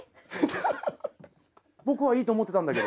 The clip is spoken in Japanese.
僕はいいと思ってたんだけど。